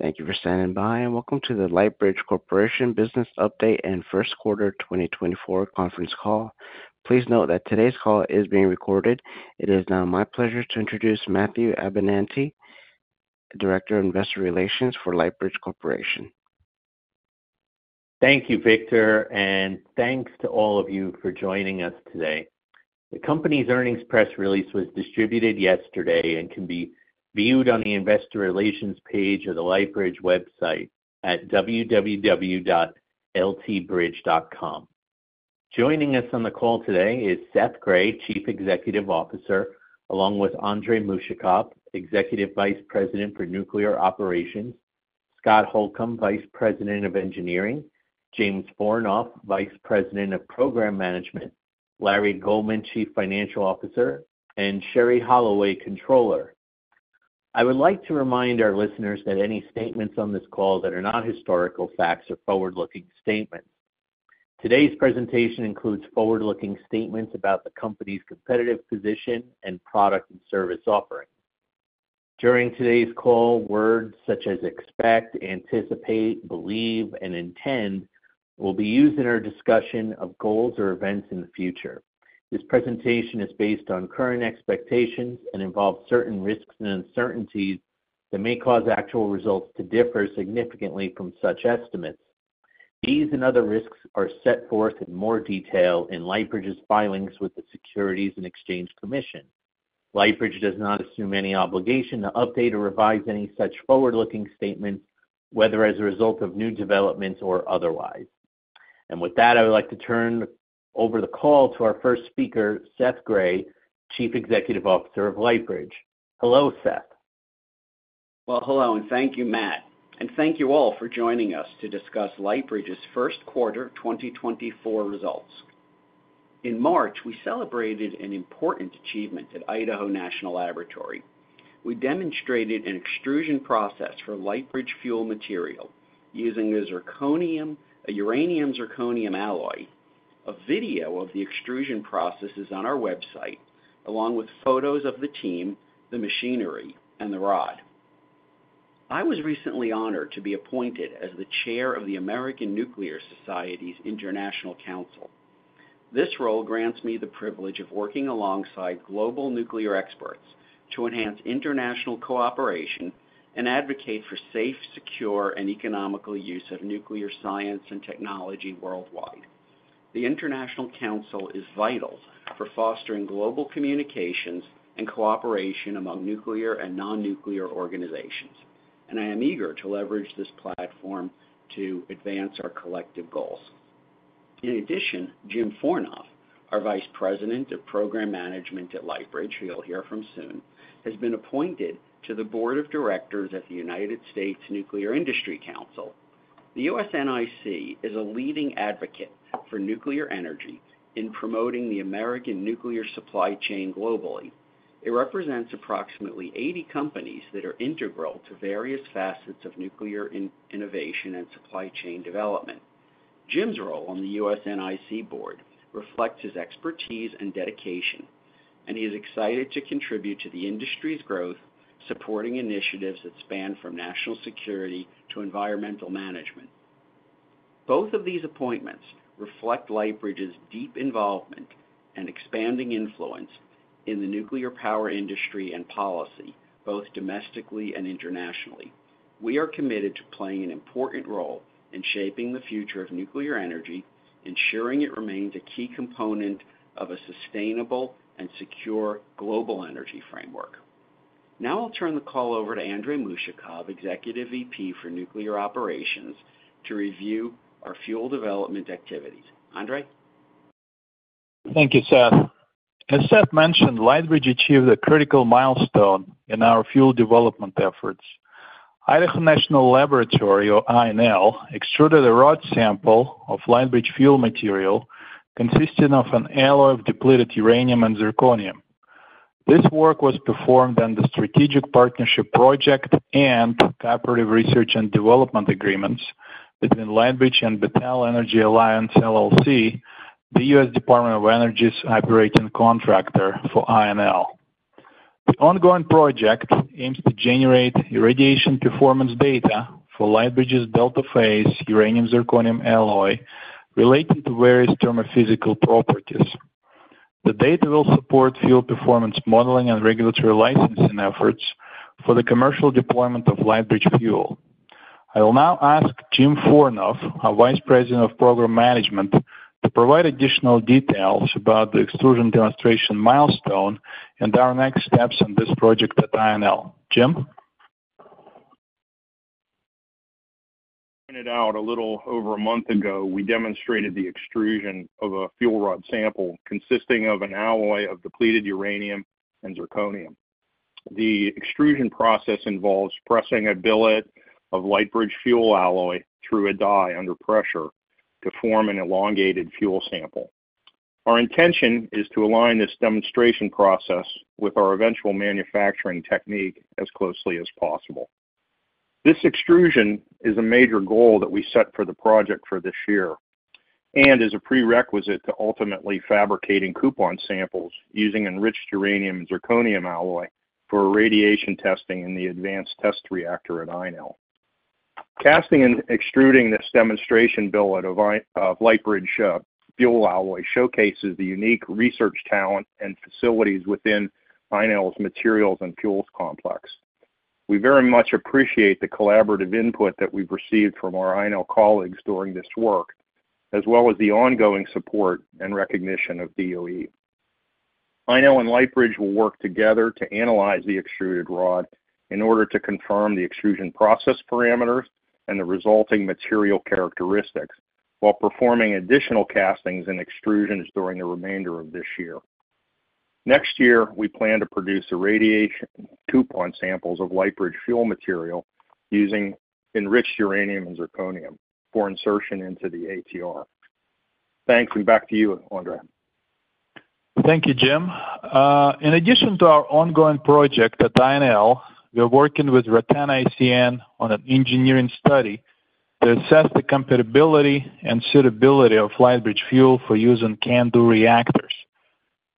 Thank you for standing by and welcome to the Lightbridge Corporation Business Update and First Quarter 2024 Conference Call. Please note that today's call is being recorded. It is now my pleasure to introduce Matthew Abenante, Director of Investor Relations for Lightbridge Corporation. Thank you, Victor, and thanks to all of you for joining us today. The company's earnings press release was distributed yesterday and can be viewed on the Investor Relations page of the Lightbridge website at www.ltbridge.com. Joining us on the call today is Seth Grae, Chief Executive Officer, along with Andrey Mushakov, Executive Vice President for Nuclear Operations, Scott Holcombe, Vice President of Engineering, James Fornof, Vice President of Program Management, Larry Goldman, Chief Financial Officer, and Sherrie Holloway, Controller. I would like to remind our listeners that any statements on this call that are not historical facts are forward-looking statements. Today's presentation includes forward-looking statements about the company's competitive position and product and service offering. During today's call, words such as expect, anticipate, believe, and intend will be used in our discussion of goals or events in the future. This presentation is based on current expectations and involves certain risks and uncertainties that may cause actual results to differ significantly from such estimates. These and other risks are set forth in more detail in Lightbridge's filings with the Securities and Exchange Commission. Lightbridge does not assume any obligation to update or revise any such forward-looking statements, whether as a result of new developments or otherwise. With that, I would like to turn over the call to our first speaker, Seth Grae, Chief Executive Officer of Lightbridge. Hello, Seth. Well, hello and thank you, Matt. Thank you all for joining us to discuss Lightbridge's First Quarter 2024 results. In March, we celebrated an important achievement at Idaho National Laboratory. We demonstrated an extrusion process for Lightbridge fuel material using a zirconium, a uranium zirconium alloy. A video of the extrusion process is on our website, along with photos of the team, the machinery, and the rod. I was recently honored to be appointed as the Chair of the American Nuclear Society's International Council. This role grants me the privilege of working alongside global nuclear experts to enhance international cooperation and advocate for safe, secure, and economical use of nuclear science and technology worldwide. The International Council is vital for fostering global communications and cooperation among nuclear and non-nuclear organizations, and I am eager to leverage this platform to advance our collective goals. In addition, Jim Fornof, our Vice President of Program Management at Lightbridge, who you'll hear from soon, has been appointed to the Board of Directors at the United States Nuclear Industry Council. The USNIC is a leading advocate for nuclear energy in promoting the American nuclear supply chain globally. It represents approximately 80 companies that are integral to various facets of nuclear innovation and supply chain development. Jim's role on the USNIC board reflects his expertise and dedication, and he is excited to contribute to the industry's growth, supporting initiatives that span from national security to environmental management. Both of these appointments reflect Lightbridge's deep involvement and expanding influence in the nuclear power industry and policy, both domestically and internationally. We are committed to playing an important role in shaping the future of nuclear energy, ensuring it remains a key component of a sustainable and secure global energy framework. Now I'll turn the call over to Andrey Mushakov, Executive VP for Nuclear Operations, to review our fuel development activities. Andrey? Thank you, Seth. As Seth mentioned, Lightbridge achieved a critical milestone in our fuel development efforts. Idaho National Laboratory, or INL, extruded a rod sample of Lightbridge fuel material consisting of an alloy of depleted uranium and zirconium. This work was performed under Strategic Partnership Project and Cooperative Research and Development Agreements between Lightbridge and Battelle Energy Alliance LLC, the U.S. Department of Energy's operating contractor for INL. The ongoing project aims to generate irradiation performance data for Lightbridge's delta phase uranium zirconium alloy relating to various thermo-physical properties. The data will support fuel performance modeling and regulatory licensing efforts for the commercial deployment of Lightbridge fuel. I will now ask Jim Fornof, our Vice President of Program Management, to provide additional details about the extrusion demonstration milestone and our next steps on this project at INL. Jim? Pointed out a little over a month ago, we demonstrated the extrusion of a fuel rod sample consisting of an alloy of depleted uranium and zirconium. The extrusion process involves pressing a billet of Lightbridge fuel alloy through a die under pressure to form an elongated fuel sample. Our intention is to align this demonstration process with our eventual manufacturing technique as closely as possible. This extrusion is a major goal that we set for the project for this year and is a prerequisite to ultimately fabricating coupon samples using enriched uranium and zirconium alloy for irradiation testing in the Advanced Test Reactor at INL. Casting and extruding this demonstration billet of Lightbridge fuel alloy showcases the unique research talent and facilities within INL's materials and fuels complex. We very much appreciate the collaborative input that we've received from our INL colleagues during this work, as well as the ongoing support and recognition of DOE. INL and Lightbridge will work together to analyze the extruded rod in order to confirm the extrusion process parameters and the resulting material characteristics while performing additional castings and extrusions during the remainder of this year. Next year, we plan to produce irradiation coupon samples of Lightbridge fuel material using enriched uranium and zirconium for insertion into the ATR. Thanks, and back to you, Andrey. Thank you, Jim. In addition to our ongoing project at INL, we're working with RATEN ICN on an engineering study to assess the compatibility and suitability of Lightbridge Fuel for use in CANDU reactors.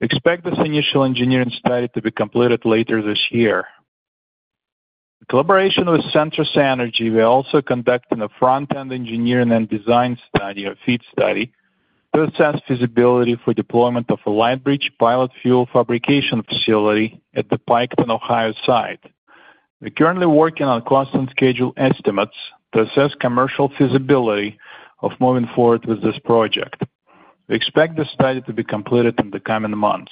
Expect this initial engineering study to be completed later this year. In collaboration with Centrus Energy, we're also conducting a front-end engineering and design study, a FEED study, to assess feasibility for deployment of a Lightbridge pilot fuel fabrication facility at the Piketon, Ohio site. We're currently working on cost and schedule estimates to assess commercial feasibility of moving forward with this project. We expect the study to be completed in the coming months.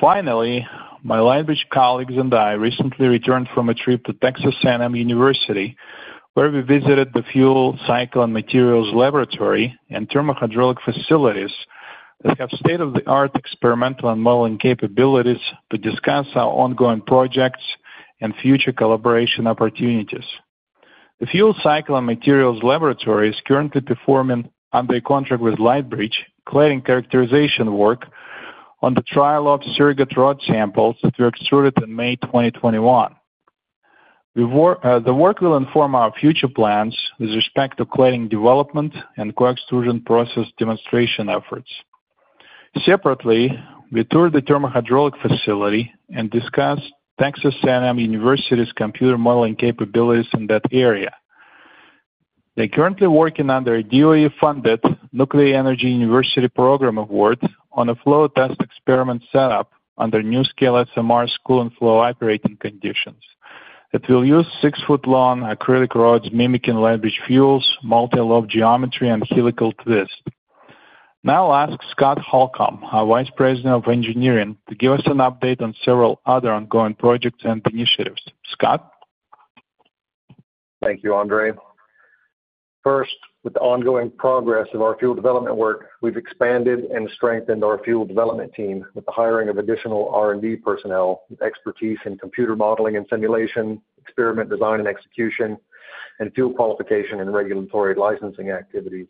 Finally, my Lightbridge colleagues and I recently returned from a trip to Texas A&M University, where we visited the Fuel Cycle and Materials Laboratory and thermohydraulic facilities that have state-of-the-art experimental and modeling capabilities to discuss our ongoing projects and future collaboration opportunities. The Fuel Cycle and Materials Laboratory is currently performing under a contract with Lightbridge cladding characterization work on the trial of surrogate rod samples that were extruded in May 2021. The work will inform our future plans with respect to cladding development and co-extrusion process demonstration efforts. Separately, we toured the thermohydraulic facility and discussed Texas A&M University's computer modeling capabilities in that area. They're currently working under a DOE-funded Nuclear Energy University Program Award on a flow test experiment setup under NuScale SMR fuel and flow operating conditions. It will use six-foot-long acrylic rods mimicking Lightbridge fuels, multi-lobe geometry, and helical twist. Now I'll ask Scott Holcombe, our Vice President of Engineering, to give us an update on several other ongoing projects and initiatives. Scott? Thank you, Andrey. First, with the ongoing progress of our fuel development work, we've expanded and strengthened our fuel development team with the hiring of additional R&D personnel with expertise in computer modeling and simulation, experiment design and execution, and fuel qualification and regulatory licensing activities.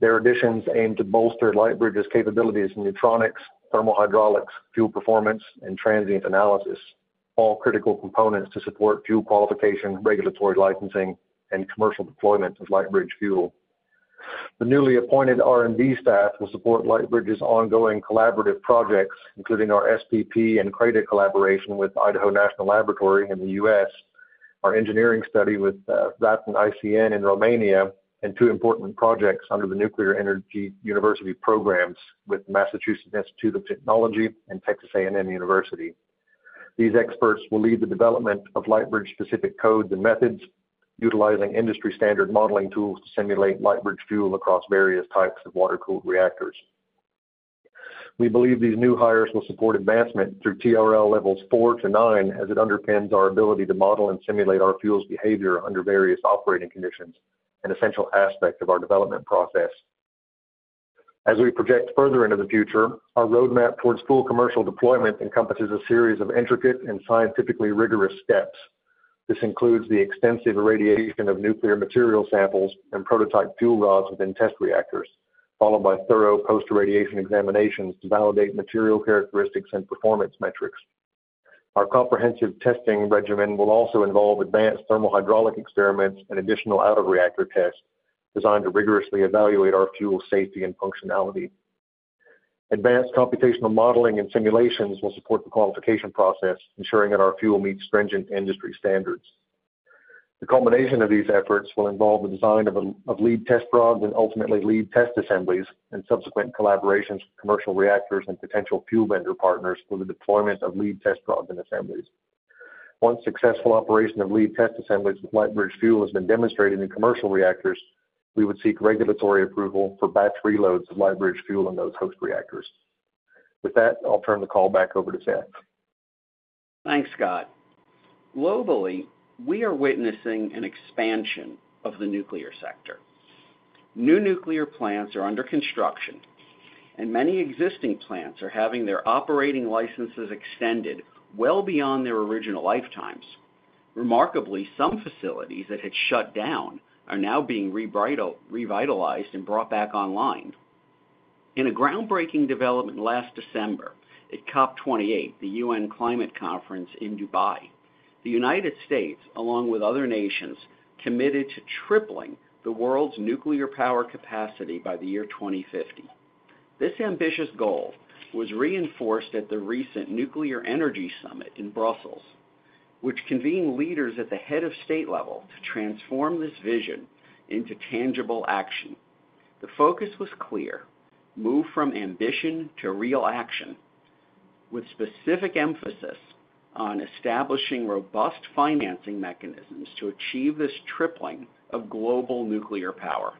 Their additions aim to bolster Lightbridge's capabilities in neutronics, thermohydraulics, fuel performance, and transient analysis, all critical components to support fuel qualification, regulatory licensing, and commercial deployment of Lightbridge fuel. The newly appointed R&D staff will support Lightbridge's ongoing collaborative projects, including our SPP and CRADA collaboration with Idaho National Laboratory in the U.S., our engineering study with RATEN ICN in Romania, and two important projects under the Nuclear Energy University programs with Massachusetts Institute of Technology and Texas A&M University. These experts will lead the development of Lightbridge-specific codes and methods, utilizing industry-standard modeling tools to simulate Lightbridge fuel across various types of water-cooled reactors. We believe these new hires will support advancement through TRL levels 4-9, as it underpins our ability to model and simulate our fuel's behavior under various operating conditions, an essential aspect of our development process. As we project further into the future, our roadmap towards full commercial deployment encompasses a series of intricate and scientifically rigorous steps. This includes the extensive irradiation of nuclear material samples and prototype fuel rods within test reactors, followed by thorough post-irradiation examinations to validate material characteristics and performance metrics. Our comprehensive testing regimen will also involve advanced thermohydraulic experiments and additional out-of-reactor tests designed to rigorously evaluate our fuel's safety and functionality. Advanced computational modeling and simulations will support the qualification process, ensuring that our fuel meets stringent industry standards. The culmination of these efforts will involve the design of Lead Test Rods and ultimately Lead Test Assemblies and subsequent collaborations with commercial reactors and potential fuel vendor partners for the deployment of Lead Test Rods and Lead Test Assemblies. Once successful operation of Lead Test Assemblies with Lightbridge Fuel has been demonstrated in commercial reactors, we would seek regulatory approval for batch reloads of Lightbridge Fuel in those host reactors. With that, I'll turn the call back over to Seth. Thanks, Scott. Globally, we are witnessing an expansion of the nuclear sector. New nuclear plants are under construction, and many existing plants are having their operating licenses extended well beyond their original lifetimes. Remarkably, some facilities that had shut down are now being revitalized and brought back online. In a groundbreaking development last December at COP28, the UN Climate Conference in Dubai, the United States, along with other nations, committed to tripling the world's nuclear power capacity by the year 2050. This ambitious goal was reinforced at the recent Nuclear Energy Summit in Brussels, which convened leaders at the head of state level to transform this vision into tangible action. The focus was clear: move from ambition to real action, with specific emphasis on establishing robust financing mechanisms to achieve this tripling of global nuclear power.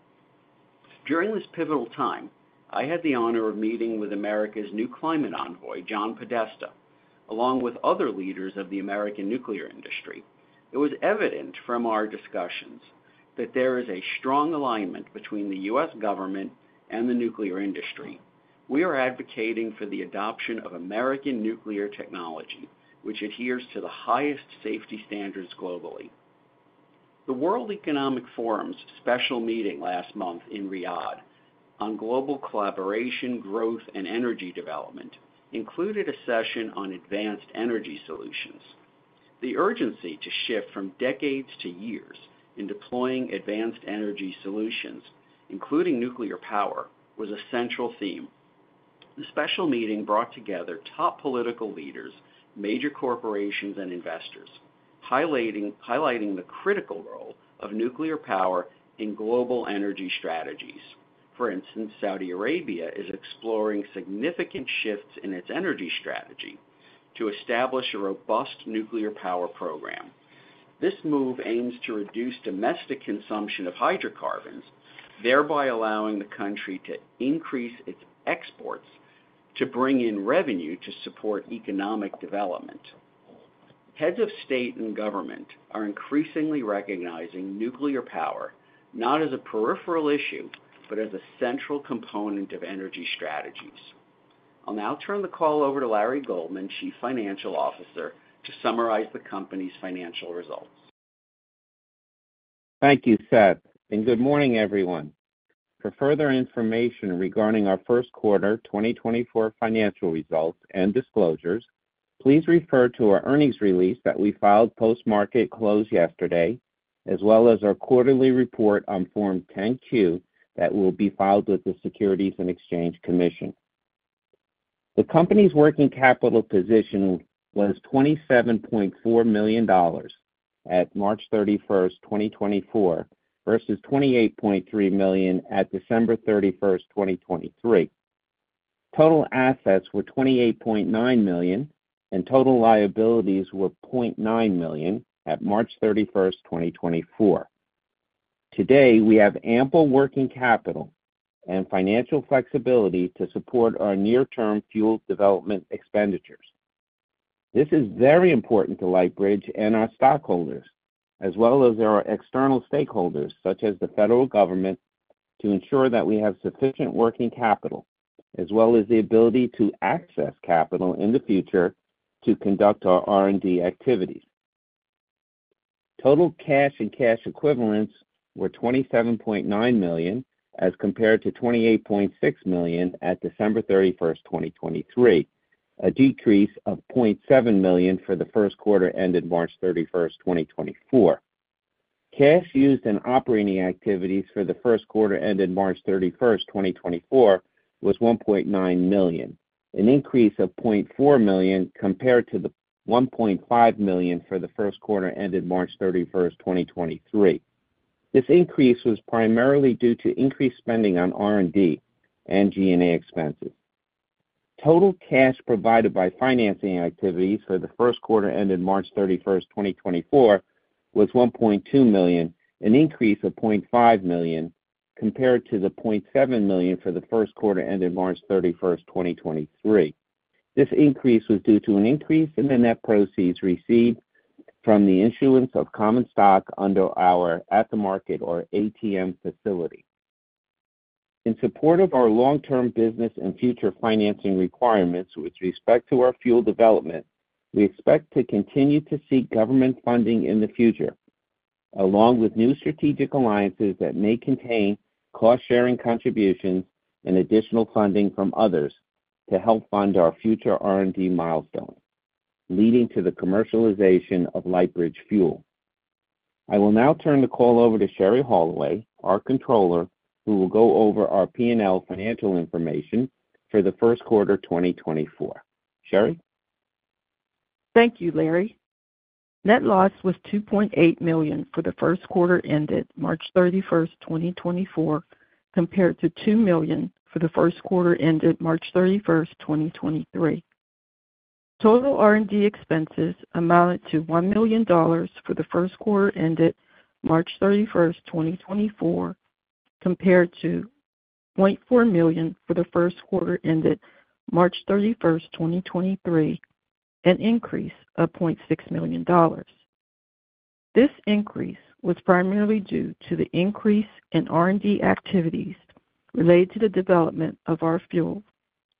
During this pivotal time, I had the honor of meeting with America's new climate envoy, John Podesta, along with other leaders of the American nuclear industry. It was evident from our discussions that there is a strong alignment between the U.S. government and the nuclear industry. We are advocating for the adoption of American nuclear technology, which adheres to the highest safety standards globally. The World Economic Forum's special meeting last month in Riyadh on global collaboration, growth, and energy development included a session on advanced energy solutions. The urgency to shift from decades to years in deploying advanced energy solutions, including nuclear power, was a central theme. The special meeting brought together top political leaders, major corporations, and investors, highlighting the critical role of nuclear power in global energy strategies. For instance, Saudi Arabia is exploring significant shifts in its energy strategy to establish a robust nuclear power program. This move aims to reduce domestic consumption of hydrocarbons, thereby allowing the country to increase its exports to bring in revenue to support economic development. Heads of state and government are increasingly recognizing nuclear power not as a peripheral issue but as a central component of energy strategies. I'll now turn the call over to Larry Goldman, Chief Financial Officer, to summarize the company's financial results. Thank you, Seth, and good morning, everyone. For further information regarding our first quarter 2024 financial results and disclosures, please refer to our earnings release that we filed post-market close yesterday, as well as our quarterly report on Form 10-Q that will be filed with the Securities and Exchange Commission. The company's working capital position was $27.4 million at March 31st, 2024, versus $28.3 million at December 31st, 2023. Total assets were $28.9 million, and total liabilities were $0.9 million at March 31st, 2024. Today, we have ample working capital and financial flexibility to support our near-term fuel development expenditures. This is very important to Lightbridge and our stockholders, as well as our external stakeholders such as the federal government, to ensure that we have sufficient working capital, as well as the ability to access capital in the future to conduct our R&D activities. Total cash and cash equivalents were $27.9 million as compared to $28.6 million at December 31st, 2023, a decrease of $0.7 million for the first quarter ended March 31st, 2024. Cash used in operating activities for the first quarter ended March 31st, 2024, was $1.9 million, an increase of $0.4 million compared to the $1.5 million for the first quarter ended March 31st, 2023. This increase was primarily due to increased spending on R&D and G&A expenses. Total cash provided by financing activities for the first quarter ended March 31st, 2024, was $1.2 million, an increase of $0.5 million compared to the $0.7 million for the first quarter ended March 31st, 2023. This increase was due to an increase in the net proceeds received from the issuance of common stock under our at-the-market or ATM facility. In support of our long-term business and future financing requirements with respect to our fuel development, we expect to continue to seek government funding in the future, along with new strategic alliances that may contain cost-sharing contributions and additional funding from others to help fund our future R&D milestones, leading to the commercialization of Lightbridge Fuel. I will now turn the call over to Sherrie Holloway, our Controller, who will go over our P&L financial information for the first quarter 2024. Sherrie? Thank you, Larry. Net loss was $2.8 million for the first quarter ended March 31st, 2024, compared to $2 million for the first quarter ended March 31st, 2023. Total R&D expenses amounted to $1 million for the first quarter ended March 31st, 2024, compared to $0.4 million for the first quarter ended March 31st, 2023, an increase of $0.6 million. This increase was primarily due to the increase in R&D activities related to the development of our fuel,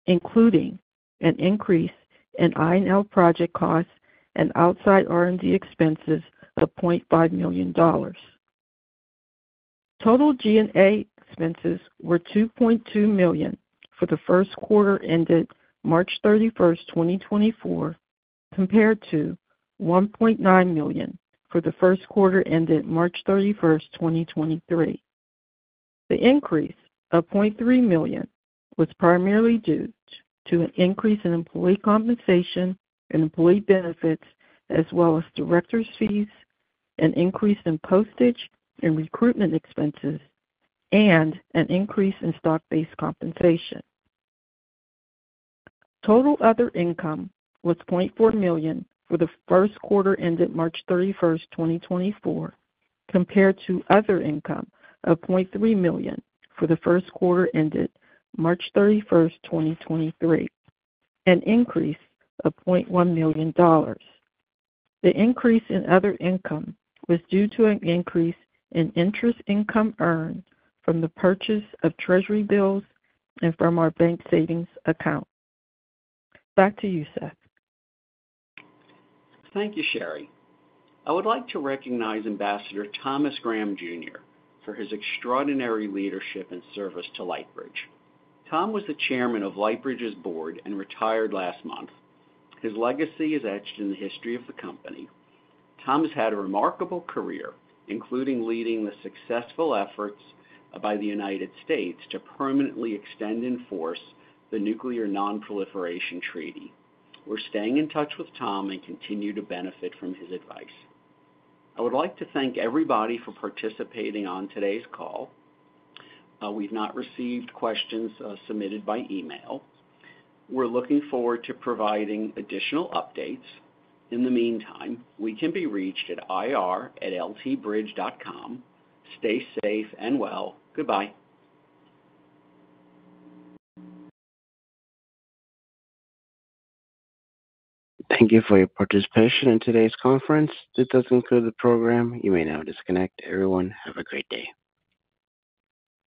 including an increase in INL project costs and outside R&D expenses of $0.5 million. Total G&A expenses were $2.2 million for the first quarter ended March 31st, 2024, compared to $1.9 million for the first quarter ended March 31st, 2023. The increase of $0.3 million was primarily due to an increase in employee compensation and employee benefits, as well as directors' fees, an increase in postage and recruitment expenses, and an increase in stock-based compensation. Total other income was $0.4 million for the first quarter ended March 31st, 2024, compared to other income of $0.3 million for the first quarter ended March 31st, 2023, an increase of $0.1 million. The increase in other income was due to an increase in interest income earned from the purchase of treasury bills and from our bank savings account. Back to you, Seth. Thank you, Sherrie. I would like to recognize Ambassador Thomas Graham Jr. for his extraordinary leadership and service to Lightbridge. Tom was the chairman of Lightbridge's board and retired last month. His legacy is etched in the history of the company. Tom has had a remarkable career, including leading the successful efforts by the United States to permanently extend in force the Nuclear Non-Proliferation Treaty. We're staying in touch with Tom and continue to benefit from his advice. I would like to thank everybody for participating on today's call. We've not received questions submitted by email. We're looking forward to providing additional updates. In the meantime, we can be reached at ir@ltbridge.com. Stay safe and well. Goodbye. Thank you for your participation in today's conference. This does conclude the program. You may now disconnect. Everyone, have a great day.